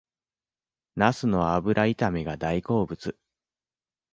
ナスの油炒めが大好物